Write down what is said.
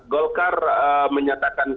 golkar menyatakan kualitas